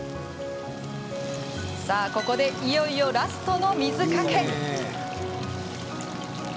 さあ、ここでいよいよラストの水かけ。